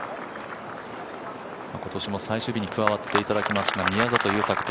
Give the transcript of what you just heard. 今年も最終日に加わっていただきますが宮里優作